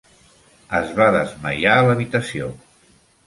Es va desmaiar a l'habitació.